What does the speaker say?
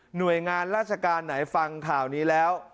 หน่วยงานราชการไหนฟังข่าวนี้แล้ว